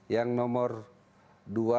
yang nomor dua